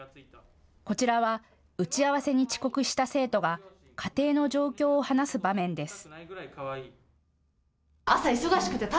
こちらは打ち合わせに遅刻した生徒が家庭の状況を話す場面です。